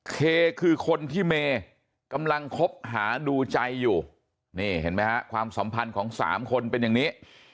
เคคือคนที่เมย์กำลังคบหาดูใจอยู่นี่เห็นไหมฮะความสัมพันธ์ของสามคนเป็นอย่างนี้